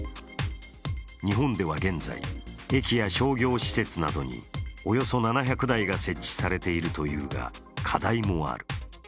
日本では現在、駅や商業施設などにおよそ７００台が設置されているというが、課題もある。